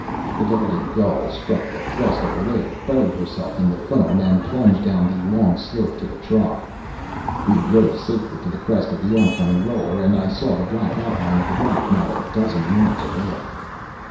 The Golden Gull struck the crest of a wave, buried herself in the foam, and plunged down the long slope to the trough. We rose safely to the crest of the oncoming roller, and I saw the black outline of the rock not a dozen yards away.